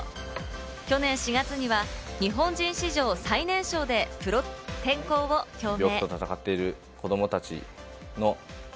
去年４月には日本人史上最年少でプロ転向を表明。